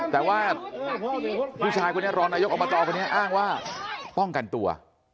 แต่ว่าผู้ชายคนนี้รองนายกอบตคนนี้อ้างว่าป้องกันตัว